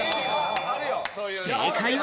正解は。